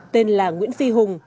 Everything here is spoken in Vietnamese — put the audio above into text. tên là nguyễn phi hùng